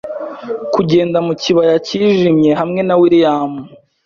Kugenda mu kibaya cyijimye Hamwe na William